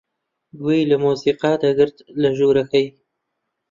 گوێی لە مۆسیقا دەگرت لە ژوورەکەی.